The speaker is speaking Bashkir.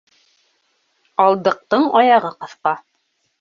Алдыҡтың аяғы ҡыҫҡа.